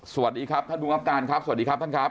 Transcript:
สวัสดีครับท่านภูมิครับการครับสวัสดีครับท่านครับ